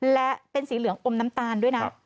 และเป็นสีเหลืองอมน้ำตาลด้วยนะ